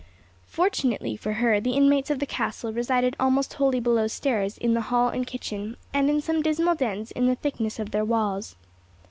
Fortunately for her, the inmates of the castle resided almost wholly below stairs in the hall and kitchen, and in some dismal dens in the thickness of their walls.